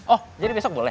oh jadi besok boleh